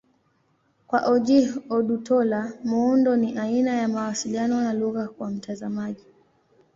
Kwa Ojih Odutola, muundo ni aina ya mawasiliano na lugha kwa mtazamaji.